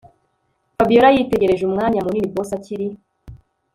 Fabiora yitegereje umwanya munini boss akiri